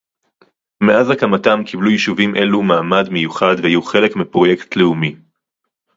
מאז הקמתם קיבלו יישובים אלו מעמד מיוחד והיו חלק מפרויקט לאומי